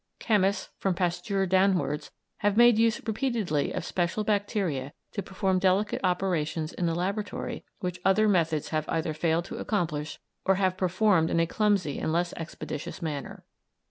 Chemists, from Pasteur downwards, have made use repeatedly of special bacteria to perform delicate operations in the laboratory which other methods have either failed to accomplish or have performed in a clumsy and less expeditious manner.